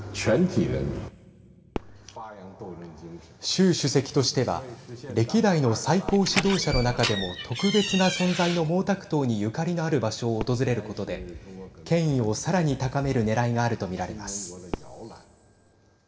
習主席としては歴代の最高指導者の中でも特別な存在の毛沢東にゆかりのある場所を訪れることで権威をさらに高めるねらいがあると見られます。